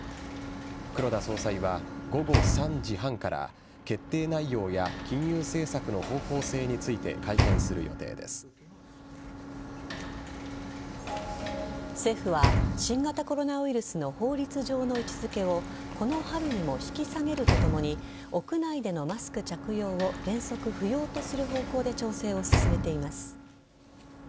黒田総裁は午後３時半から決定内容や金融政策の方向性について政府は新型コロナウイルスの法律上の位置付けをこの春にも引き下げるとともに屋内でのマスク着用を原則不要とする方向で調整を進めています。